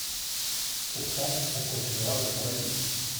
Pourtant on continuera de travailler.